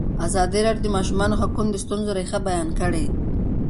ازادي راډیو د د ماشومانو حقونه د ستونزو رېښه بیان کړې.